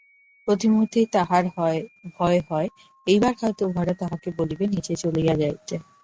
প্রতি মুহুর্তেই তাহার ভয় হয় এইবার হয়তো উহারা তাহাকে বলিবে নিচে চলিয়া যাইতে।